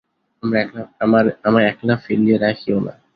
আমায় একলা ফেলিয়া রাখিয়ো না।